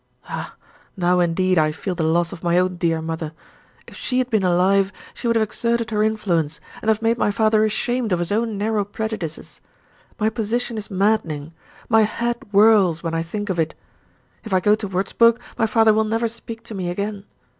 Ah, now indeed I feel the loss of my own dear mother! If she had been alive she would have exerted her influence, and have made my father ashamed of his own narrow prejudices. My position is maddening; my head whirls when I think of it. If I go to Wurzburg, my father will never speak to me again.